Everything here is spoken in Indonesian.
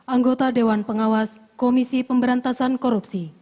anggota dewan pengawas komisi pemberantasan korupsi